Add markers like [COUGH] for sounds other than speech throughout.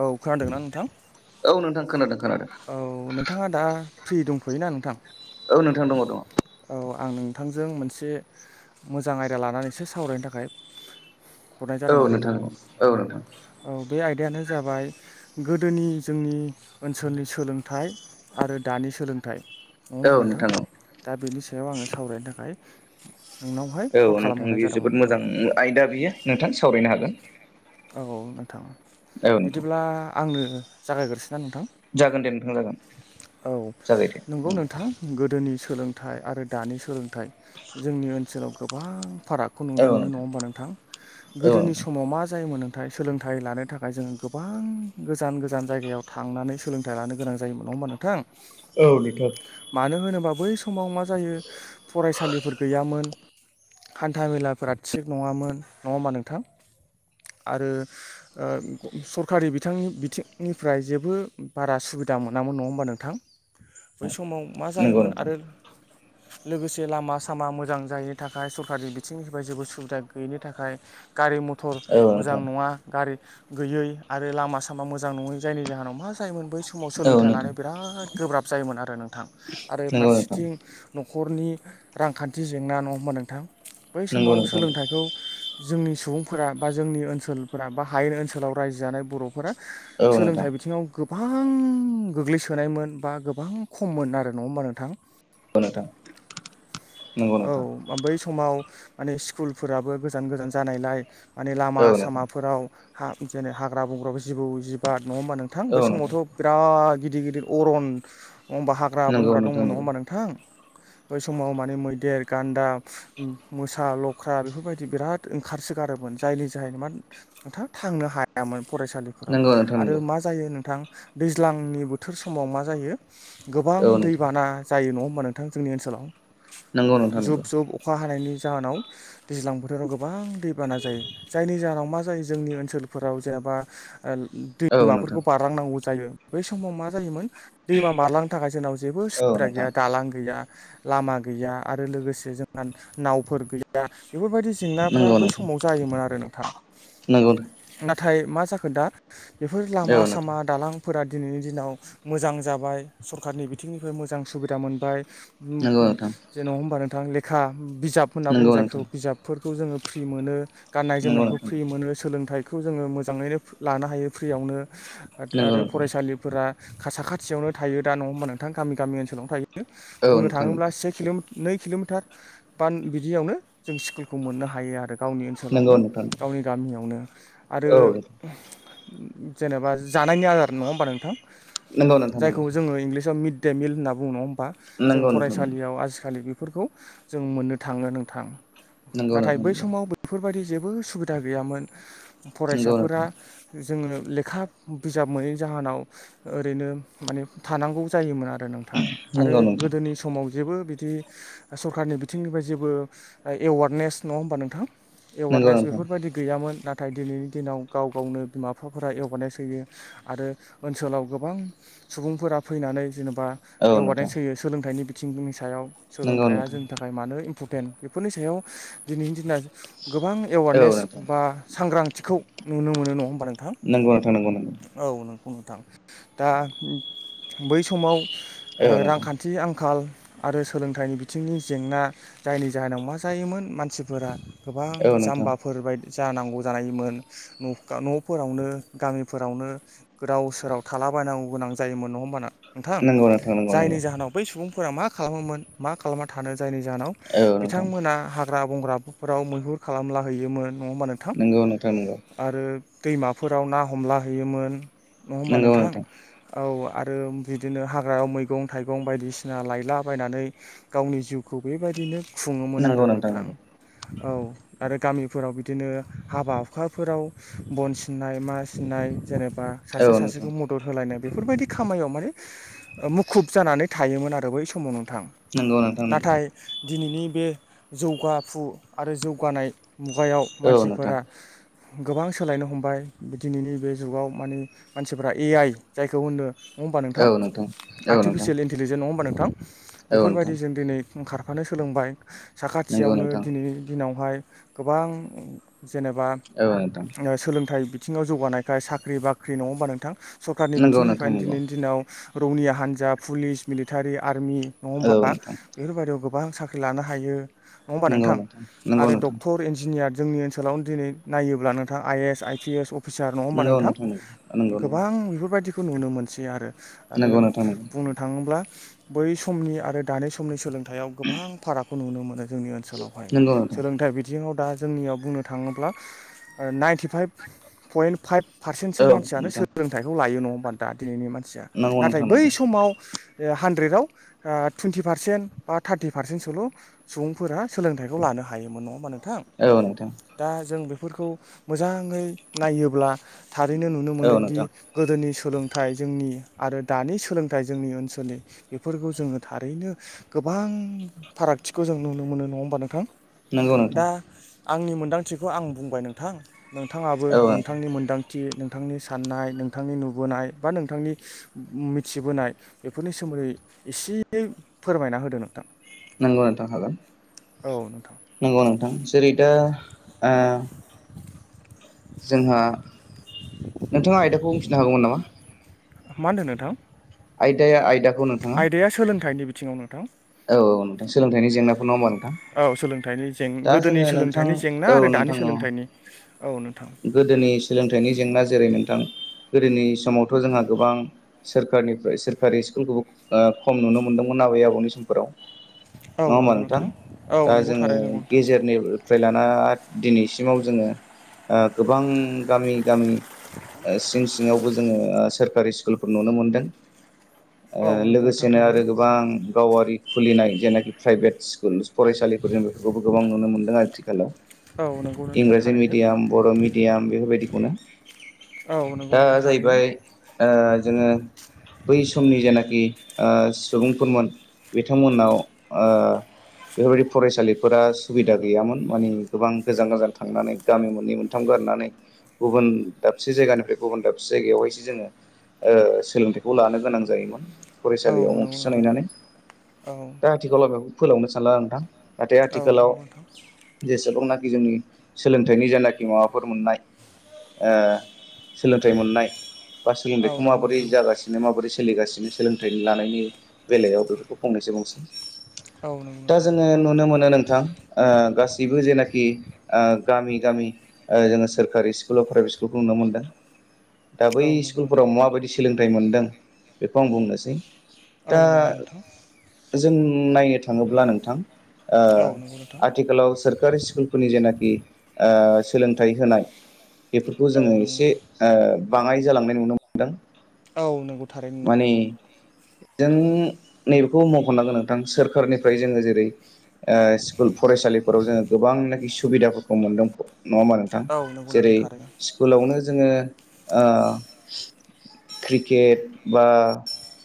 औ खोनादोंना नोंथां? औ नोंथां खोनादों खोनादों। औ नोंथाङा दा फ्रि दंख'योना नोंथां? औ नोंथां दङ दङ। बिथांजों मोनसे मोजां आयदा लानानैसो सावरायनो थाखाय हरनाय जादोंमोन नोंथां। औ नोंथां औ बे आयदायानो जाबाय गोदोनि जोंनि ओनसोलनि सोलोंथाइ आरो दानि सोलोंथाइ नङा होमबा नोंथां दा बेनि सायाव आङो सावरायनो थाखाय नोंनावहाय औ कल नोंथां खालामहरनाय बेयो जादोंमोन जोबोद नोंथां मोजां आयदा बियो नोंथां सावरायनो हागोन। नोंथाङा औ नोंथां बिदिब्ला आंनो जागायग्रोसै औ जागोन दे नोंथां जागोन जागायदो नंगौ नोंथां गोदनि सोलोंथाइ आरो दानि सोलोंथाइ जोंनि ओनसोलाव गोबां फारागखौ नुनो मोनो नङा होमबा नोंथां औ गोदोनि नोंथां समाव मा जायोमोन नोंथां सोलोंथाइ लानो थाखाय जोङो गोबां गोजान गोजान जायगायाव थांनानै सोलोंथाइ लानो गोनां जायोम नङा होमबा नोंथां। औ बेथ' मानो होनोबा बै समाव मा जायो फरायसालिफोर गैयामोन। हान्था मेलाफोरा थिग नङामोन नङा होमा नोंथां आरो सरकारि बिथांनि बिथिंनिफ्राय जे बो बारा सुबिदा मोनामोन नङा हबा नोंथां बै समाव मा नंगौ जायोमोन नोंथां आरो। लोगोसे लामा सामा मोजां जायैनि थाखाय सरकारि बिथिंनिफ्राय जेबो सुबिदा गैयैनि थाखाय गारि मथर औ मोजां नोंथां नङा गारि गैयै आरो लामा सामा मोजां नङै जायनि जाहोनाव मा जायमोन बै समाव औ सोलोंथाइ लानो नोंथां बिराद गोब्राब जायोमोन आरो नोंथां आरो नंगौ नोंथां फारसेथिं न'खरनि रांखान्थि जेंना नङा होमबा नोंथां बै नंगौ समाव नोंथां औ सोलोंथाइखौ जोंनि सुबुंफोरा बा जोंनि ओनसोलफोरा बा हायेन ओनसोलाव रायजो जानाय बर' फोर नोंथां सोलोंथाइ बिथिङाव गोबां गोग्लैसोनायमोन बा गोबां खममोन आरो नङा होमबा नोंथां। नोंगौ नोंथां। नंगौ नोंथां औ बै समाव माने स्कुलफोराबो गोजान गोजान जानायलाय माने लामा औ नोंथां औ सामाफोराव ह जेरै हाग्रा बंग्र जिबौ जिबात नङा होमबा नोंथां बै समावथ' बिराद गिदिर गिदिर अरन नङा होमबा हाग्रा नोंथां नंगौ बंग्रा नोंथां दंमोन नङा नंगौ होनबा नोंथां बै समाव मै मैदेर गान्दा मोसा लख्रा बेफोरबायदि बिराद ओंखारसोगारोमोन जायनि ज मा नोंथां थांनो हायामोन। फरायसालिफोराव नंगौ नोंथां नंगौ आरो मा जायो नोंथां दैज्लांनि बोथोर समाव मा जायो। गोबां औ नोंथां दैबाना जायो नङ होमबा नोंथां जोंनि ओनसोलाव नंगौ नोंथां नंगौ जुब जुब अखा हानायनि जाहोनाव दैज्लां बोथोराव गोबां दैबाना जायो जायनि जाहोनाव मा जायो जोंनि ओनसोलफोराव जे बा औ नोंथां दैमाफोरखौ बारलांनांगौ जायो बै समाव मा जायोमोन दैमा मारलांनो थाखाय जोंनाव जेबो औ सुबिदा नोंथां गैया दालां गैया लामा गै गैया आरो लोगोसे जोंहा नावफोर गैया बेफोरबायदि जेंनाफ्रा नंगौ बै नोंथां समाव जायोमोन आरो नोंथां नंगौ नाथाय नाथाय मा जाखो दा बेफोर लामा औ नोंथां सामा दालांफोरा दिनैनि दिनाव मोजां जाबाय सरखारारनि बिथिंनिफ्राय मोजां सुबिदा मोनबाय नंगौ नोंथां जेन' होमबा नोंथां लेखा बिजाब होनना बुङो नंगौ जायखौ नोंथां बिजाबफोरखौ जोङो फ्रि मोनो गाननाय नंगौ जोमनायखौ नोंथां फ्रि मोनो सोलोंथाइखौ जोङो मोजाङैनो लानो हायो फ्रियावनो नंगौ आरो नोंथां फरायसालिफोरा साखाथियावनो थायो दा नङा हबा नोंथां गामि गामि ओनसोलावनो थायो। औ बुंनो नोंथां थाङोब्ला से किल' नै किल'मिटार बान बिदियावनो जों स्कुलखौ मोननो हायो आरो गावनि नंगौ ओनसोलावनो नोंथां गावनि गामियावनो आरो। औ जेनेबा जानायनि आदार नङा होमबा नोंथां नंगौ नोंथां जायखौ नंगौ जोङो इंलिसाव मिड डे मिल होनना बुङ होमबा जों नंगौ नोंथां फरायसालियाव खालि बेफोरखौ जों मोननो थाङो नोंथां नंगौ नाथाय नोंथां बै समाव बेफोरबायदि जेबो सुबिदा गैयामोन नंगौ फरायसाफोरा जोङो लेखा बिजाब मोनैनि जाहोनाव ओरैनो माने थानांगौ जायोमोन आरो। नोंथां आरो नंगौ नोंथां नंगौ नोंथां गोदोनि समाव जेबो बिदि सरखारारनि बिथिंनिफ्राय जेबो एवारनेस नङा होमबा नोंथाङा नंगौ एवारनेस नोंथां बेफोरबायदि गैयामोन नाथ नाथाय दिनैनि दिनाव गाव गावनो बिमा बिफाफोरा एवारनेस होयो आरो ओनसोलाव गोबां सुबुंफोरा फैनानै जेन'ब बा औ नोंथां एवारनेस होयो सोलोंथाइनि बिथिंनि सायाव नंगौ सोलोंथाइया नोंथां जोंनि थाखाय मानो भुपेन बेफोरनि सायाव दिनैनि दिना गोबां औ एवारनेस नोंथां बा सांग्रां थिखौ नुनो मोनो न नंगौ नोंथां नंगौ नंगौ। बुं नोंथां दा बै समाव ओ औ नोंथां रांखान्थि आंखाल, आरो सोलोंथाइनि बिथिंनि जेंना जायनि जाहोनाव मा जायोमोन मानसिफोरा गोबां औ नोंथां जाम्बाफोर बायदि जानांगौ जानायमोन नका न'फोरावनो गामिफोरावनो गोदाव सोराव थाला बायनांगौ गोनां जायोमोन नङा होमबाना? नोंथां नंगौ नोंथां नंगौ जायनि नंगौ जाहोनाव बै सुबुंफोरा मा खालामोमोन मा खालामना थानो जायनि जाहोनाव औ नोंथां बिथांमोना हाग्रा बंग्राफोराव मैहुर खालामलाहैयोमोन। नङा होमबा नोंथां नंगौ नोंथां नंगौ आरो दैमाफोराव ना हमला हैयोमोन नङा होमबा नोंथां? औ। आरो बिदिनो हाग्रायाव मैगं थाइगं बायदिसिना लायलाबायनानै गावनि जिउखौ बेबायदिनो खुङोमोन नंगौ आरो नोंथां। नंगौ औ आरो गामिफोराव बिदिनो हाबा हुखाफोराव बन सिननाय मा सिननाय जेनेबा सासे औ नोंथां सासेखौ मदद होलायनाय बेफोरबायदि खामायाव माने ओ मुखुब जानानै थायोमोन आरो बै समाव नोंथां। नंगौ नोंथां नंगौ। नाथाय दिनैनि बे जौगाफु आरो जौगानाय मुगायाव औ नोंथां मानसिफोरा गोबां सोलायनो हमबाय दिनैनि बे जुगाव मानि मानसिफ्रा ए आइ जायखौ होनो। नङा होमबा नोंथां? औ औ नोंथां आर्टिफिसियेलि इन्टिलिजोन नङा होमबा नोंथां औ बेफोरबायदि नोंथां जों दिनै ओंखार फ्रानो सोलोंबाय नंगौ साखाथियावनो नोंथां दिनै दिनावहाय गोबां जेनेबा औ नोंथां ओ सोलोंथाइ बिथिङाव जौगानायखाय साख्रि बाख्रि नङाबा नोंथां? सरकारनि नंगौ नोंथां बिथिंनिफायनो नंगौ दिनैनि दिनाव रौनिया हान्जा पुलिस, मिलिटारि, आर्मि नङा औ होमबा नोंथां बेफोरबादियाव गोबां साख्रि लानो हायो। नङा होमबा नोंथां? आरो डक्टर इन्जिनियार जोंनि ओनसोलावनो दिनै नायोब्ला नोंथां I S I P S अ अफिसार नङा होमबा नोंथां नंगौ गोबां नोंथां बेफोरबायदिखो नुनो मोनसै आरो। आरो नंगौ नंगौ बुंनो थाङोब्ला बै सम समनि आरो दानि समनि सोलोंथाइयाव गोबां फारागखौ नुनो मोनो। ‌ जोंनि ओनसोलावहाय नंगौ नोंथां नंगौ नोंथां सोलोंथाइ बिथिङाव दा जोंनियाव बुंनो थाङोब्ला ओ नाइनटि फाइभ पयन्ट फाइभ पारसेन्टसो औ मानसियानो नोंथां सोलोंथाइखौ लायो नङा होमबा दा दिनैनि मानसिया नंगौ नाथाय नोंथां बै समाव ओ हानद्रेदआव ओ टुइन्टि पारसेन्ट बा थारटि पारसेन्टसोल' सुबुंफोरा सोलोंथाइखौ लानो हायोमोन नङा होनबा नोंथां नंगौ औ नोंथां दा जों बेफोरखौ मोजाङै नायोब्ला थारैनो नुनो औ मोनोदि नोंथां गोदोनि सु सोलोंथाइ जोंनि आरो दानि सोलोंथाइ जोंनि ओनसोलनि बेफोरखौ जों जोङो थारैनो गोबां फारागथिखो जों नुनो मोनो नङा होमबा नोंथां? नंगौ नोंथां। दा आंनि मोनदांथिखौ आं बुंबाय नोंथां नोंथाङाबो औ नोंथां नोंथांनि मोनदां थि नोंथांनि साननाय नोंथांनि नुबोनाय बा नोंथांनि मिथिबोनाय बेफोरनि सोमोन दै इसे फोरमायना होदों नोंथां। नंगौ नोंथां हागोन। औ नोंथां नंगौ नोंथां जेरै दा ओ जोंहा नोंथाङा आयदाखौ बुंथिनो हागौमोन नामा? मा होनदो नोंथां? आयदाया आयदाखौ नोंथाङा? आयदाया सोलोंथाइनि बिथिङाव नोंथां औ नोंथां सोलोंथायनि जेंनाखो नङा होनबा? औ सोलोंथाइनि जें गोदोनि नोंथां सोलोंथाइनि जेंना औ आरो दानि नोंथां औ सोलोंथाइनि। औ नोंथां गोदोनि सोलोंथाइनि जेंना जेरै नोंथां गोदोनि समावथ' जोंहा गोबां सोरखारनिफ्राय सोरखारि स्कुलखौबो खम नुनो मोनदोंमोन आबै आबौनि सम [INAUDIBLE] नङा होमबा नंगौ नोंथां? औ दा नंगौ जोङो थारैनो नंगौ नोंथां गेजेरनि फ्राय लाना दिनैसिमाव जोङो ओ गोबां गामि गामि सिं सिङावबो जोङो सोरखारि स्कुलफोर नुनो मोनदों। औ नंगौ नोंथां लोगोसेनो थारैनो आरो गोबां गावारि खुलिनाय जेनाखि प्राइभेट सि स्कुल फरायसालिफोरजों बेफोरखौबो गोबां नुनो मोन्दों आथिखालाव। औ नंगौ नोंथाङा इंराजि थारैनो। मिडियाम बर' मिडियाम बेफोरबायदिखौनो। औ नंगौ दा नोंथां थारैनो जाहैबाय ओ जोङो बै समनि जेनाखि ओ सुबुंफोरमोन बिथांमोनाव ओ बेफोरबायदि फरायसालिफोरा सुबिदा गैयामोन मानि गोबां गोजान गोजान थांनानै गामि मोननै मोन थाम गारनानै गुबुन दाबसे जायगानिफ्राय गुबुन दाबसे जायगायावहायसो जोङो ओ सोलोंथाइखौ लानो गोनां जायोमोन। फरायसालियाव औ मुं नंगौ थिसह नोंथां हैनानै औ दा आथिखालाव बेखौ फोलावनो सानला नोंथां। नाथाय औ आथिखालाव नंगौ नोंथां जेसेबांनाखि जोंनि सोलोंथाइनि जेनाखि माबाफोर मोननाय ओ सोलोंथाइ मोननाय बा औ सोलोंथाइखौ नंगौ माबोरै नोंथां जागासिनो माबोरै स सोलिगासिनो सोलोंथाइ लानायनि बेलायाव बेफोरखौ फंनैसो बुंसै। औ। नंगौ दा नोंथां जोङो नुनो मोनो नोंथां ओ गासैबो जेनाखि ओ गामि गामि ओ जोङो सोरखकारि स्कुल बा प्राइभेट स्कुलखौ नुनो मोनदों। दा बै औ नंगौ नोंथां स्कुलफोराव माबायदि सोलोंथाइ मोनदों बेखौ आं बुंनोसै। औ दा नंगौ नोंथां। जों नायो थाङोब्ला नोंथां ओ औ नंगौ नोंथां आथिखालाव सोरखारि स्कुलफोरनि जेनाखि ओ सोलोंथाइ होनाय बेफोरखौ औ जोङो नंगौ एसे नोंथां ओ बाङाय जालांनाय नुनो मोनदों। औ नंगौ थारै नोंगौ माने नोंथां। जों नैबेखौ मख'नांगोन नोंथां सोरखारनिफ्राय जोङो जेरै ओ स्कुल फरायसालिफोराव जोङो गोबांनाखि सुबिदाफोरखौ मोनदों नङा होमबा नोंथां औ नंगौ जेरै नोंथां थारैनो स्कुलावनो जोङो ओ क्रिकेट बा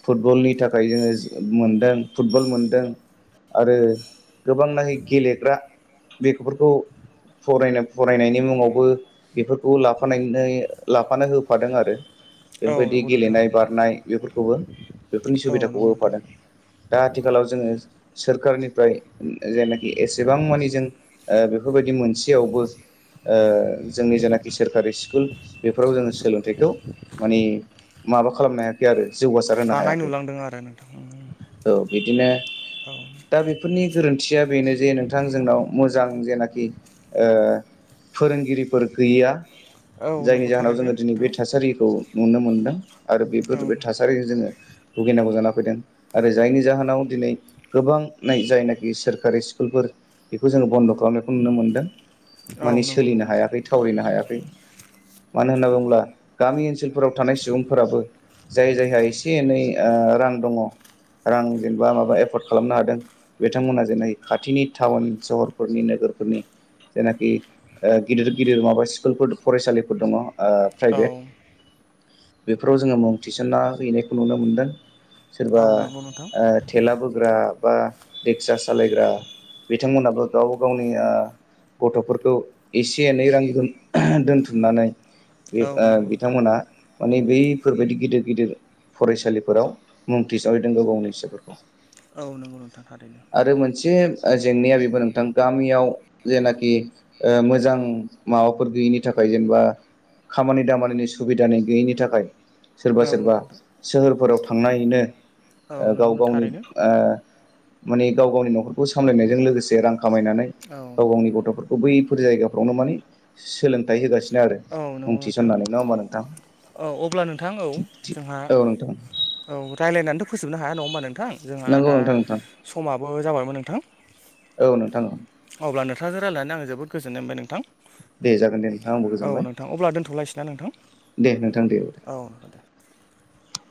फुटबलनि थाखाय जोङो मोनदों फुटबल मोनदों आरो गोबांनाखि गेलेग्रा बेफोरखौ फरायनो फरायनायनि मुङावबो बेफोरखौ लाफ लाफानो होफादों आरो औ बेफोरबायदि नंगौ नोंथां गेलेनाय बारनाय बेफोरखौबो बेफोरनि औ सुबिदाखौबो नंगौ नोंथां होफादों। दा आथिखालाव जोङो सोरखारनिफ्राय जेनाखि एसेबां मानि जों बेफोरबायदि मोनसेयावबो ओ जोंनि जेनाखि सोरखारि स्कुल बेफोराव जोङो सोलोंथाइखौ माने माबा खालामनो हायाखै आरो जौगासार होनो बाङाय हायाखै नुलांदों आरो औ बिदिनो ओं। ओंथिया बेनो जे नोंथां जोंनाव मोजां जेनाखि ओ फोरोंगिरिफोर गैया। [INAUDIBLE] जायनि जाहोनाव थारैनो जोङो दिनै बे नोंथां थासारिखौ नुनो मोनदों आरो औ बेफोर बे थासारिजों जोङो भुगिनांगौ जाना फैदों आरो जायनि जाहोनाव दिनै गोबां जायनाखि सोरखारि स्कुलफोर बेखौ जोङ बन्द' खालामनायखौ नुनो मोन्दों। औ माने नंगौ सोलिनो नोंथां हायाखै थावरिनो हायाखै मानो होनना बुङोब्ला गामि ओनसो सोलफोराव थानाय सुबुंफोराबो जाय जायहा एसे एनै ओ रां दङ रां जेनेबा माबा एफर्ड खालामनो हादों बिथांमोना जेनै खाथिनि टाउन सहरफोरनि नोगोरफोरनि जेनाखि ओ गिदिर गिदिर माबा स्कुलफोर फरायसालिफोर दङ ओ औ प्राइभेट बेफोराव जोङो मुं थिसन्ना हैनायखौ नुनो मोनदों। सोरबा औ नंगौ नोंथां ओ थेला बोग्रा बा रिक्सा सालायग्रा बिथांमोनाबो गाव गावनिया गथ'फोर खौ एसे एनै रां दोन-दोनथुमनानै बे औ नंगौ नोंथां बिथांमोनहा माने बैफोरबायदि गिदिर-गिदिर फरायसालिफोराव मुं थिसन हैदों गाव गावनि फिसाफोरखौ औ नंगौ नोंथां थारैनो आरो मोनसे ओ जेंनाया बेबो नों थां गामियाव जेनाखि ओ मोजां माबाफोर गैयिनि थाखाय जेनेबा खामानि दामानिनि सुबिदानि गैयैनि थाखाय सोरबा औ सोरबा नंगौ नोंथां सोहोरफोराव थांनानैनो औ ओ गाव नंगौ गावनि थारैनो ओ माने गाव गावनि न'खरखौ सामलायनायजों लोगोसे रां खामायनानै औ गाव गावनि गथ'फोरखौ बै फोर जायगाफ्रावनो माने सोलोंथाइ होगासिनो आरो औ नंगौ मुं नोंथां थिसननानै नङा होमबा नोंथां औ अब्ला नोंथां औ थिग थिग जोंहा औ नोंथां औ रायलायनानैथ' फोजोबनो हाया नङा होमबा नोंथां जोंहा नंगौ दा नोंथां नोंथां समाबो जाबायमोन नोंथां। औ नोंथां औ अब्ला नोंथांजों रायलायनानै आं जोबोद गोजोननाय मोनबाय‌ नोंथां दे जागोन दे नोंथां आंबो औ गोजोनबाय नोंथां अब्ला दोनथ'लायसैना नोंथां दे नोंथां दे औ नोंथां [UNINTELLIGIBLE]